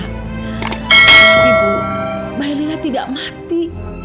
ibu bayi lila tidak mati